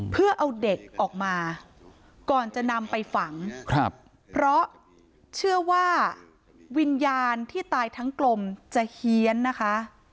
เพื่อเอาเด็กออกมาก่อนจะนำไปฝังครับเพราะเชื่อว่าวิญญาณที่ตายทั้งกลมจะเฮียนนะคะ